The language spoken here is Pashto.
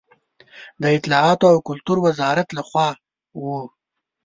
د اطلاعاتو او کلتور وزارت له خوا و.